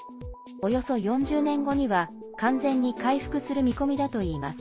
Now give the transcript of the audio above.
およそ４０年後には、完全に回復する見込みだといいます。